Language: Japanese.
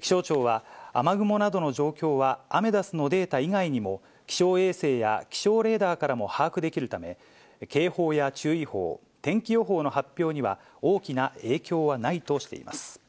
気象庁は、雨雲などの状況は、アメダスのデータ以外にも、気象衛星や気象レーダーからも把握できるため、警報や注意報、天気予報の発表には、大きな影響はないとしています。